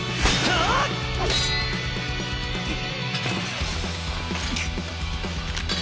あっ。